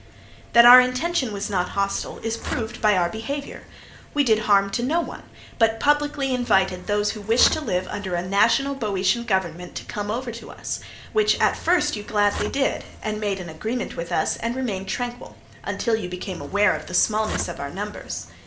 "That our intention was not hostile is proved by our behaviour. We did no harm to any one, but publicly invited those who wished to live under a national, Boeotian government to come over to us; which as first you gladly did, and made an agreement with us and remained tranquil, until you became aware of the smallness of our numbers.